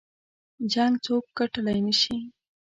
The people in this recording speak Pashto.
جـنګ څوك ګټلی نه شي